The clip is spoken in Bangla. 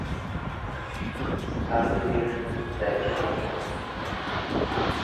দারিদ্র্য নিরসন ব্যাংকের লক্ষ্য।